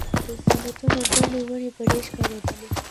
د زیتونو ګڼې ونې پرې ښکارېدلې.